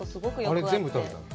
あれ、全部食べたの？